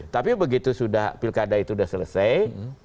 tapi begitu sudah pilkada itu sudah selesai